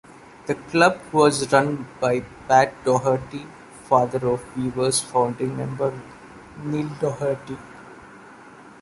The Club was run by Pat Doherty, father of Weavers' founding member Neil Doherty.